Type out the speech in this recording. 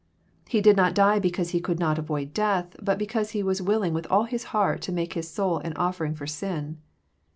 He did not die because He could not avoid death, but because He was willing with all His heart to make His soul an offering for sin.